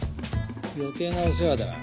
余計なお世話だ。